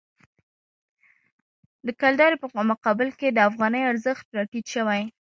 د کلدارې په مقابل کې د افغانۍ ارزښت راټیټ شوی.